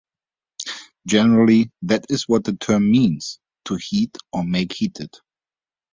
Generally, that is what the term means: to heat, or make heated.